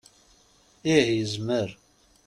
Ih, yezmer.